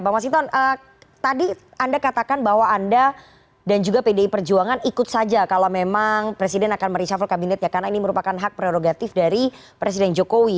bang mas hinton tadi anda katakan bahwa anda dan juga pdi perjuangan ikut saja kalau memang presiden akan mereshuffle kabinet ya karena ini merupakan hak prerogatif dari presiden jokowi